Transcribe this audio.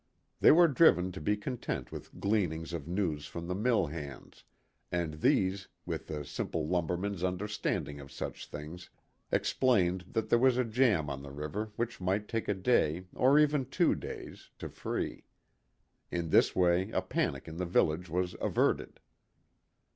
They were driven to be content with gleanings of news from the mill hands, and these, with the simple lumberman's understanding of such things, explained that there was a jam on the river which might take a day, or even two days, to free. In this way a panic in the village was averted.